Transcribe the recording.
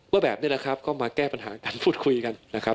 ว่าแบบนี้แหละครับก็มาแก้ปัญหากันพูดคุยกันนะครับ